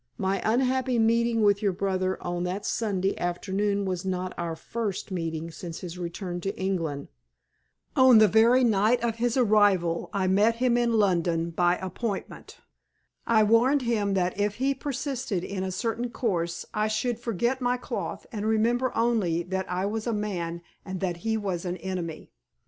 My unhappy meeting with your brother on that Sunday afternoon was not our first meeting since his return to England. On the very night of his arrival I met him in London by appointment. I warned him that if he persisted in a certain course I should forget my cloth, and remember only that I was a man and that he was an enemy.